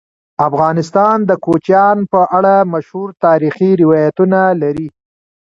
افغانستان د کوچیان په اړه مشهور تاریخی روایتونه لري.